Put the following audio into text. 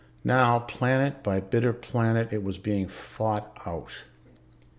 Now, planet by bitter planet, it was being fought out.